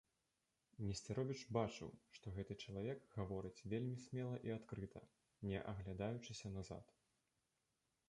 Несцяровіч бачыў, што гэты чалавек гаворыць вельмі смела і адкрыта, не аглядаючыся назад.